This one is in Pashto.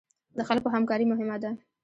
د خلکو همکاري مهمه ده